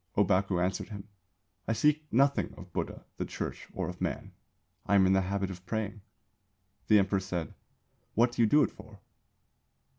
"Ōbaku answered him: 'I seek nothing of Buddha, the Church, or of Man. I am in the habit of praying.' The Emperor said: 'What do you do it for?